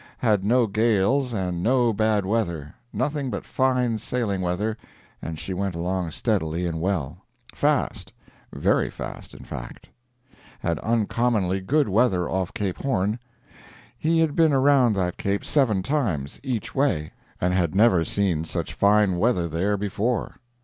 Had no gales and no bad weather—nothing but fine sailing weather and she went along steadily and well—fast, very fast, in fact. Had uncommonly good weather off Cape Horn; he had been around that Cape seven times—each way—and had never seen such fine weather there before.